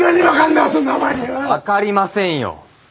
分かりませんよ。